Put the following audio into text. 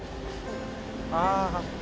ああ。